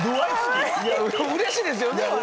いやうれしいですよね。